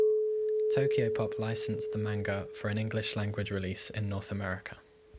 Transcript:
Tokyopop licensed the manga for an English-language release in North America.